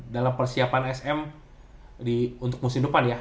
dalam persiapan sm untuk musim depan ya